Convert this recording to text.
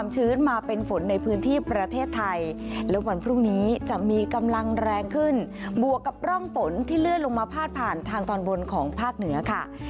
จะมีกำลังแรงขึ้นบวกกับร่องฝนที่เลื่อนลงมาพาดผ่านทางตอนบนของภาคเหนือค่ะ